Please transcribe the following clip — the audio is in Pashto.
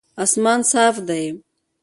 اسمان صاف دی